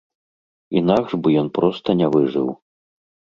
Інакш бы ён проста не выжыў.